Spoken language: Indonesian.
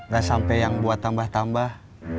dan sampai yang buat tambah tambah